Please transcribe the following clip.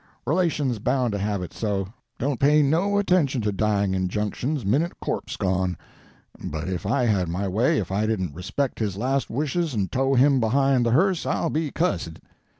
Relations bound to have it so don't pay no attention to dying injunctions, minute a corpse's gone; but if I had my way, if I didn't respect his last wishes and tow him behind the hearse, I'll be cuss'd.